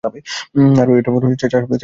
আর এটা চার সপ্তাহ আগে করেছিলাম।